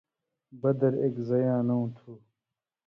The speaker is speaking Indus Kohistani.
بدر اېک زئ یاں نؤں تُھو،